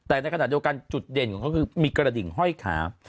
แต่ในขณะเดียวกันจุดเด่นของเขาคือมีกระดิ่งห้อยขา